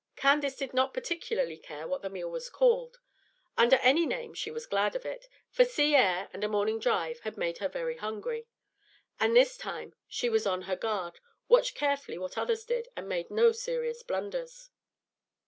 Candace did not particularly care what the meal was called. Under any name she was glad of it, for sea air and a morning drive had made her very hungry; and this time she was on her guard, watched carefully what others did, and made no serious blunders.